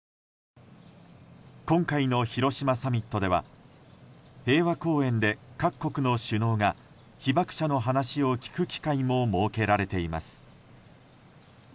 今回の広島サミットでは平和公園で各国の首脳が被爆者の話を聞く機会も設けられています。